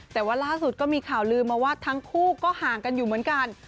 แต่ว่าล่าสุดก็มีข่าวลืมมาว่าทั้งคู่ก็ห่างกันอยู่เหมือนกัน